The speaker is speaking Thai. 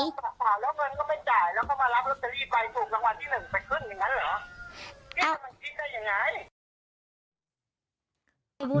ตรงทางวันที่๑ไปขึ้นอย่างนั้นเหรอ